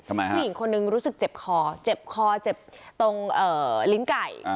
ทำไมฮะผู้หญิงคนนึงรู้สึกเจ็บคอเจ็บคอเจ็บตรงเอ่อลิ้นไก่อ่า